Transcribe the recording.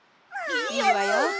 いいわよ。